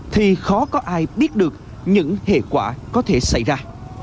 thì khó có ai biết được những hệ quả có thể xảy ra